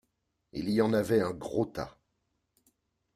Il y en avait un gros tas.